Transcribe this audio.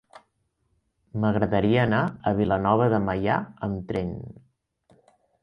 M'agradaria anar a Vilanova de Meià amb tren.